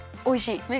おいしい？